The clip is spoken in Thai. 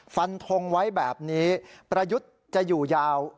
ฟันทงไว้แบบนี้ประยุทธ์จะอยู่ยาว